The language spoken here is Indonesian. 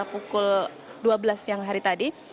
pukul dua belas siang hari tadi